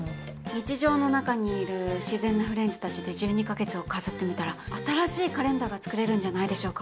日常の中にいる自然なフレンズたちで１２か月を飾ってみたら新しいカレンダーが作れるんじゃないでしょうか。